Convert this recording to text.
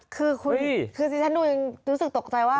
คือคุณคือที่ฉันดูยังรู้สึกตกใจว่า